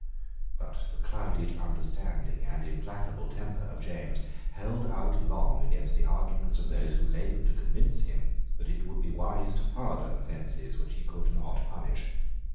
But the clouded understanding and implacable temper of James held out long against the arguments of those who laboured to convince him that it would be wise to pardon offences which he could not punish.